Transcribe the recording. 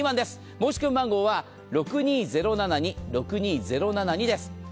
申し込み番号は６２０７２６２０７２です。